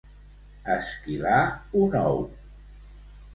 Esquilar un ou.